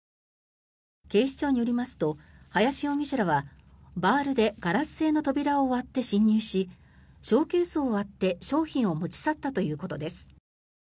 警視庁によりますと林容疑者らはバールでガラス製の扉を割って侵入しショーケースを割って商品を持ち去ったということです。